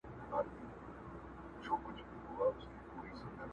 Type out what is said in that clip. د ژوندون په سِر پوه نه سوم څه حُباب غوندي ځواني وه!.